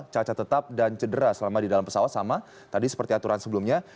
cacat tetap dan cedera selama di dalam pesawat sama tadi seperti aturan sebelumnya